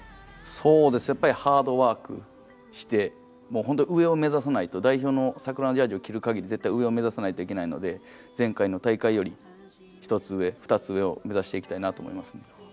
そうですねやっぱりハードワークしてもう本当に上を目指さないと代表の桜のジャージを着る限り絶対上を目指さないといけないので前回の大会より１つ上２つ上を目指していきたいなと思いますね。